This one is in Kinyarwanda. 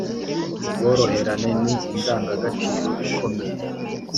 Ubworoherane ni indangagaciro ikomeye